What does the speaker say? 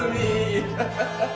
ハハハハ。